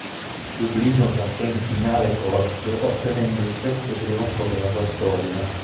Dublino batté in finale Cork ottenendo il sesto trionfo della sua storia.